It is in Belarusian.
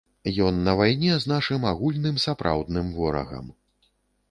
Ён на вайне з нашым агульным сапраўдным ворагам.